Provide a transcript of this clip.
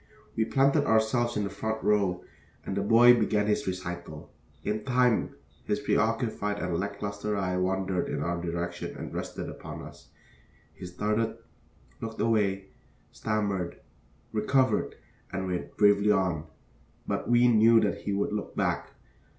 We planted ourselves in the front row, and the boy began his recital. In time his preoccupied and lack lustre eye wandered in our direction and rested upon us. He started, looked away, stammered, recovered, and went bravely on. But we knew that he would look back.